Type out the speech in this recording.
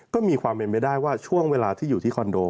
ก็มีความเป็นไปได้ว่าช่วงเวลาที่อยู่ที่คอนโด